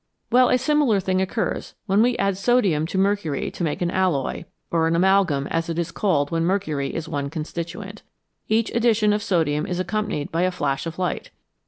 Well, a similar thing occurs when we add sodium to mercury to make an alloy (or an " amal gam," as it is called when mercury is one constituent) ; each addition of sodium is accompanied by a flash of light.